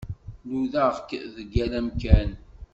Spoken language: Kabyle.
Nudaɣ-k deg yal amkan.